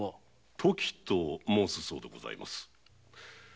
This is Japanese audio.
“とき”と申すそうでございます。